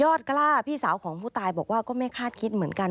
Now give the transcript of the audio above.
กล้าพี่สาวของผู้ตายบอกว่าก็ไม่คาดคิดเหมือนกัน